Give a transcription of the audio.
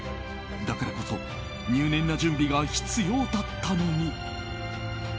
だからこそ入念な準備が必要だったのに。